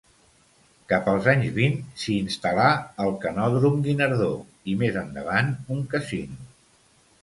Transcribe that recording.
Cap als anys vint, s'hi instal·là el Canòdrom Guinardó i més endavant un casino.